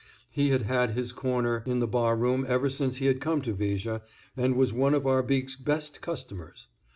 He had had his corner in the bar room ever since he had come to Viger, and was one of Arbique's best customers.